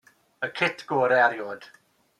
Y cit gorau erioed.